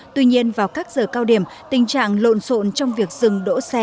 tuy nhiên vào các giờ cao điểm tình trạng lộn xộn trong việc dừng đỗ xe